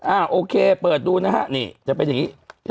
อะโอเคเปิดดูนะฮะ